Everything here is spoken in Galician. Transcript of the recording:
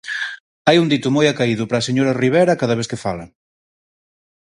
Hai un dito moi acaído para a señora Ribera cada vez que fala.